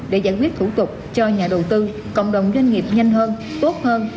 để giải quyết thủ tục cho nhà đầu tư cộng đồng doanh nghiệp nhanh hơn tốt hơn